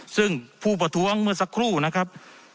ซึ่งผู้ประท้วงเมื่อสักครู่นะครับ